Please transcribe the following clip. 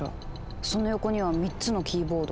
その横には３つのキーボード。